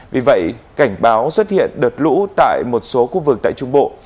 vì vậy cảnh báo xuất hiện đợt lũ tại một số khu vực tại trung bộ